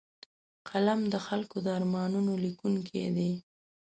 قلم د خلکو د ارمانونو لیکونکی دی